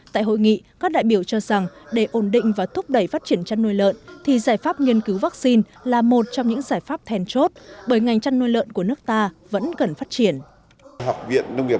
tại hội nghị các đại biểu cho rằng để ổn định và thúc đẩy phát triển chăn nuôi lợn thì giải pháp nghiên cứu vaccine là một trong những giải pháp thèn chốt bởi ngành chăn nuôi lợn của nước ta vẫn cần phát triển